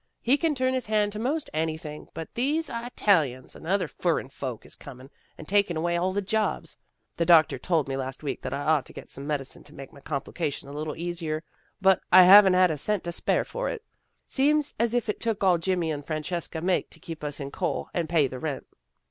He can turn his hand to most anything, but these Ey talians and other furren folks is comin', and takin' away all the jobs. The doctor told me last week that I'd ought to get some medicine to make my complication a little easier, but I haven't had a cent to spare for it. Seems as if it took all Jimmy and Francesca make to keep us in coal, and pay the rent."